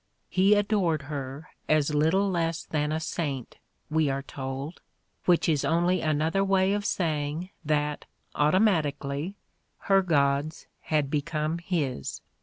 "He adored her as little less than a saint," we are told: which is only another way of saying that, automatically, her gods had become his.